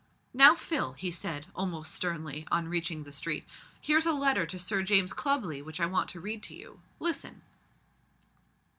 "Now, Phil," he said, almost sternly, on reaching the street, "here's a letter to Sir James Clubley which I want to read to you. Listen."